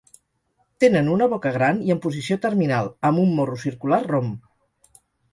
Tenen una boca gran i en posició terminal, amb un morro circular rom.